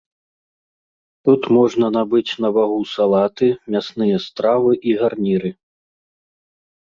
Тут можна набыць на вагу салаты, мясныя стравы і гарніры.